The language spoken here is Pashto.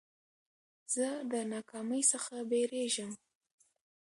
زه د ناکامۍ څخه بېرېږم.